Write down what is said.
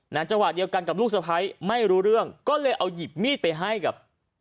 จังหวะเดียวกันกับลูกสะพ้ายไม่รู้เรื่องก็เลยเอาหยิบมีดไปให้กับ